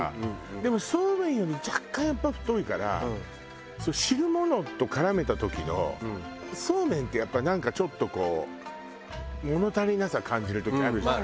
でもそうめんより若干やっぱり太いから汁物と絡めた時のそうめんってやっぱりなんかちょっとこう物足りなさ感じる時あるじゃない。